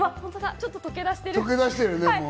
ちょっと溶け出してる。